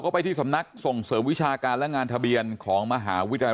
ไปที่สำนักส่งเสริมวิชาการและงานทะเบียนของมหาวิทยาลัย